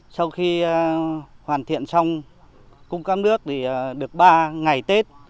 sau khi hoàn thiện xong cung cấp nước thì được ba ngày tết